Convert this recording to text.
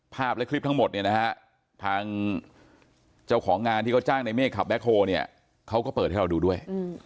ภาพและคลิปทั้งหมดทางเจ้าของงานที่เขาจ้างในเมฆขับแบ็คโฮเขาก็เปิดให้เราดูด้วย